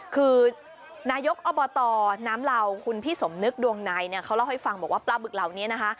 คือนายกอบตน้ำเหล่าคุณพี่สมนึกดวงในเนี่ยเขาเล่าให้ฟังบอกว่าปลาบึกเหล่านี้นะคะ